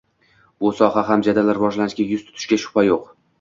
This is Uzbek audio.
bu soha ham jadal rivojlanishga yuz tutishiga shubha yo‘q.